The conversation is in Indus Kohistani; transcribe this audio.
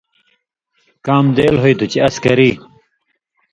کام دېل ہُوئ تُھو چے اس کری۔